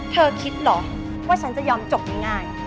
เธอคิดเหรอว่าฉันจะยอมจบง่าย